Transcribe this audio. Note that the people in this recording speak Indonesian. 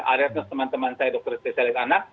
alertness teman teman saya dokter stesialis anak